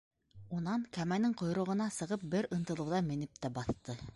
Унан, кәмәнең ҡойроғона сығып, бер ынтылыуҙа менеп тә баҫты.